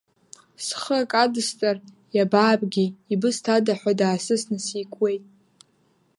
Схы акы адысҵар, иабаабгеи, ибызҭада ҳәа даасысны сикуеит.